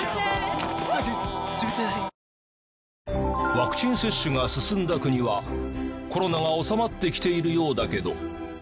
ワクチン接種が進んだ国はコロナは収まってきているようだけど。